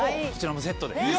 こちらもセットで。